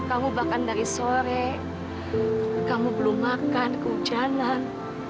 kamu bahkan dari sore kamu belum makan kehujanan